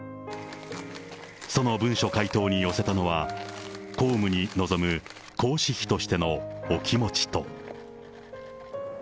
その文書回答に寄せたのは、公務に臨む皇嗣妃としてのお気持ちと。